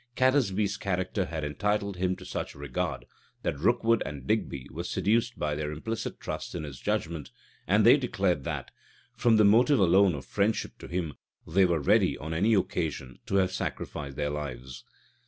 Catesby's character had entitled him to such regard, that Rookwood and Digby were seduced by their implicit trust in his judgment; and they declared that, from the motive alone of friendship to him, they were ready, on any occasion, to have sacrificed their lives.